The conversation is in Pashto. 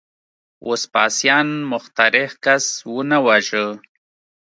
وسپاسیان مخترع کس ونه واژه.